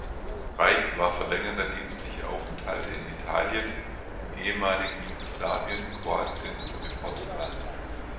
Reik war für längere dienstliche Aufenthalte in Italien, im ehemaligen Jugoslawien, Kroatien sowie Portugal.